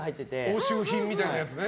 押収品みたいなやつね。